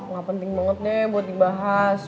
gak penting banget deh buat dibahas